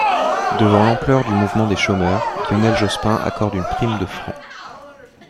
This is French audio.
Devant l'ampleur du mouvement des chômeurs, Lionel Jospin accorde une prime de francs.